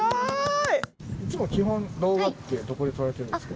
いつも基本動画ってどこで撮られてるんですか？